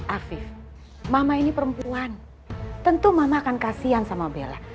afif mama ini perempuan tentu mama akan kasihan sama bella